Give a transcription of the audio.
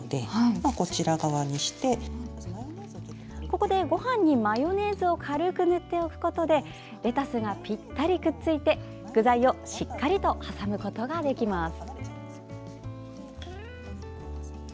ここでごはんにマヨネーズを軽く塗っておくことでレタスが、ぴったりくっついて具材をしっかりと挟むことができます。